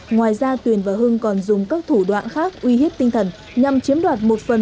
ngoài ra tuyền và hưng còn dùng các thủ đoạn khác uy hiếp tinh thần nhằm chiếm đoạt một phần